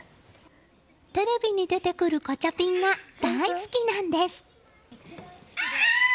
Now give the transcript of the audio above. テレビに出てくるガチャピンが大好きなんです。